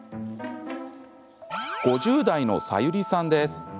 ５０代のサユリさんです。